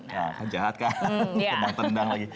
nah kan jahat kan tendang tendang lagi